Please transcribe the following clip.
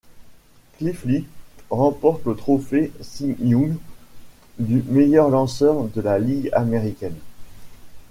Cliff Lee remporte le Trophée Cy Young du meilleur lanceur de la Ligue américaine.